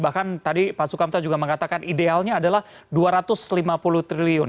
bahkan tadi pak sukamta juga mengatakan idealnya adalah dua ratus lima puluh triliun